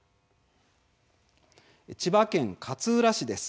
千葉県勝浦市です。